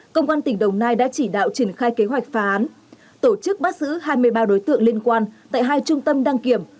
công an tỉnh đồng nai đã chỉ đạo triển khai kế hoạch phá án tổ chức bắt giữ hai mươi ba đối tượng liên quan tại hai trung tâm đăng kiểm